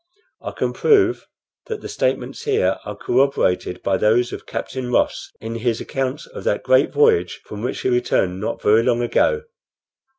I can prove that the statements here are corroborated by those of Captain Ross in his account of that great voyage from which he returned not very long ago."